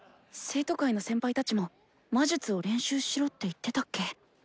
生徒会の先輩たちも魔術を練習しろって言ってたっけ。